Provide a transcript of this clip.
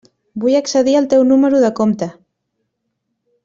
Vull accedir al teu número de compte.